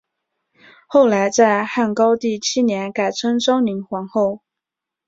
后来在汉高帝七年改称昭灵皇后。